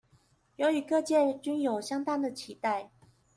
由於各界均有相當的期待